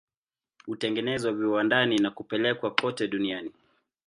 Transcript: Hutengenezwa viwandani na kupelekwa kote duniani.